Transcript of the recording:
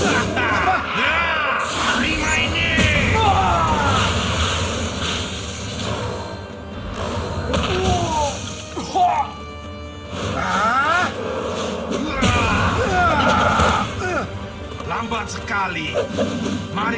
akhirnya kalian datang ya hahaha barsadria bagaimana dengan wujud baru